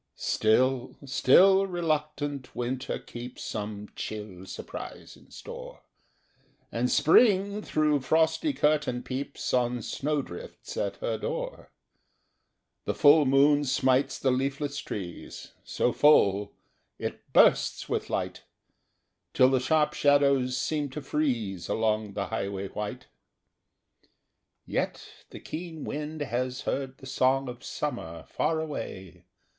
Still, still reluctant Winter keeps Some chill surprise in store, And Spring through frosty curtain peeps On snowdrifts at her door; The full moon smites the leafless trees, So full, it bursts with light, Till the sharp shadows seem to freeze Along the highway white. Yet the keen wind has heard the song Of summer far away.